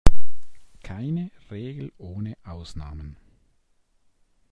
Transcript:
Keine Regel ohne Ausnahmen!